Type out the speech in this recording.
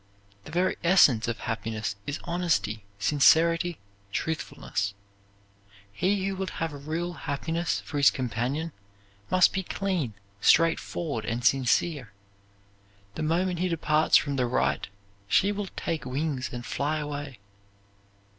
The very essence of happiness is honesty, sincerity, truthfulness. He who would have real happiness for his companion must be clean, straightforward, and sincere. The moment he departs from the right she will take wings and fly away.